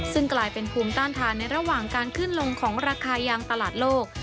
ซึ่งกลายเป็นภูมิต้านทานในระหว่างการขึ้นลงของราคายางตลาดโลก